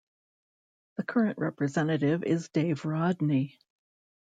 The current representative is Dave Rodney.